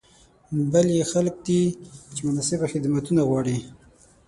بل یې خلک دي چې مناسب خدمتونه غواړي.